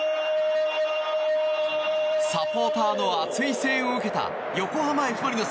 サポータの熱い声援を受けた横浜Ｆ・マリノス。